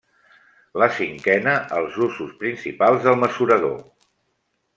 La cinquena els usos principals del mesurador.